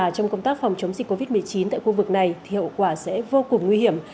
phòng chống dịch covid một mươi chín tại khu vực này thì hậu quả sẽ vô cùng nguy hiểm